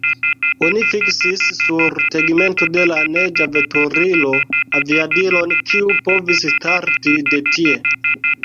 Oni fiksis sur tegmento de la neĝa veturilo aviadilon, kiu povis starti de tie.